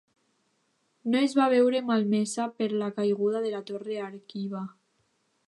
No es va veure malmesa per la caiguda de la torre Arqiva.